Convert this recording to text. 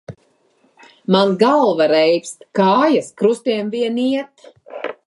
Man galva reibst, kājas krustiem vien iet.